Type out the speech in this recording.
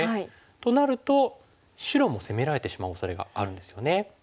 となると白も攻められてしまうおそれがあるんですよね。